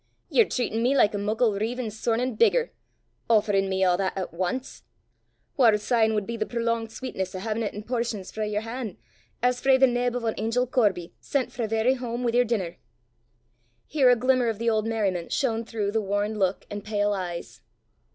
"Ye're treatin' me like a muckle, reivin', sornin' beggar offerin' me a' that at ance! Whaur syne wad be the prolonged sweetness o' haein' 't i' portions frae yer han', as frae the neb o' an angel corbie sent frae verra hame wi' yer denner!" Here a glimmer of the old merriment shone through the worn look and pale eyes.